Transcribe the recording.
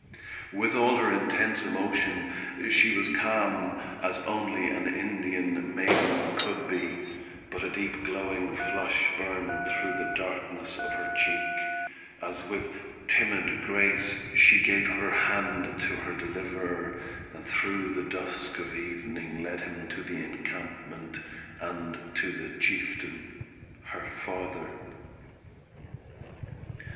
With all her intense emotion, she was calm, as only an Indian maiden could be, but a deep glowing flush burned through the darkness of her cheek, as with timid grace, she gave her hand to her deliverer, and through the dusk of evening led him to the encampment, and to the chieftain, her father.